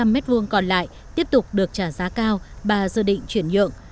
năm trăm linh m hai còn lại tiếp tục được trả giá cao bà dự định chuyển nhượng